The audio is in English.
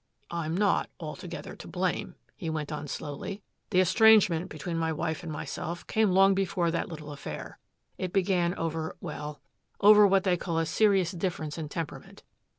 "I'm not altogether to blame." he went on slowly. "The estrangement between my wife and myself came long before that little affair. It began over well over what they call a serious difference in temperament.